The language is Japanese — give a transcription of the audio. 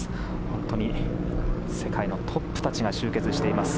本当に世界のトップたちが集結しています。